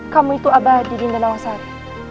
kamu itu abadi dinda nawang sari